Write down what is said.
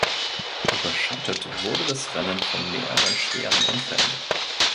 Überschattet wurde das Rennen von mehreren schweren Unfällen.